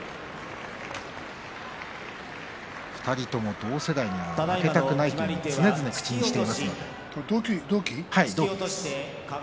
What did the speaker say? ２人とも同世代には負けたくないと常々、口にしています。